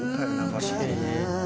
確かにね。